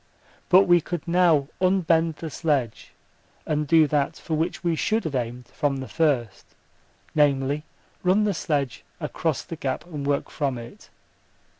But we could now unbend the sledge and do that for which we should have aimed from the first, namely, run the sledge across the gap and work from it.